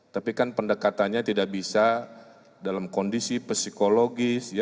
tapi kan pendekatannya tidak bisa dalam kondisi psikologis